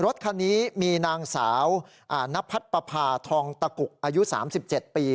รถคันนี้มีนางสาวนพัดปภาทองตะกุกอายุ๓๗ปี